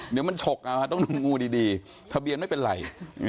เดี๋ยวมันฉกเอาต้องดูงูดีทะเบียนไม่เป็นไร